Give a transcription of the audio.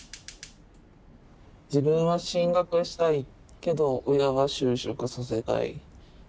自分は進学したいけど親は就職させたい。